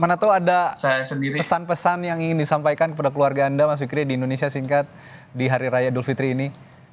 mana tau ada pesan pesan yang ingin disampaikan kepada keluarga anda mas fikri di indonesia singkat di hari raya idul fitri ini